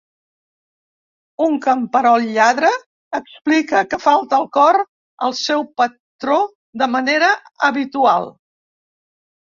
Un camperol lladre explica que falta el cor al seu patró de manera habitual.